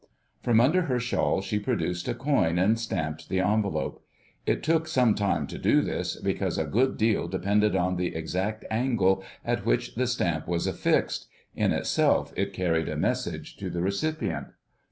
From under her shawl she produced a coin and stamped the envelope. It took some time to do this, because a good deal depended on the exact angle at which the stamp was affixed. In itself it carried a message to the recipient.